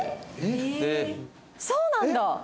そうなんだ。